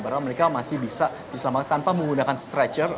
padahal mereka masih bisa diselamatkan tanpa menggunakan stretcher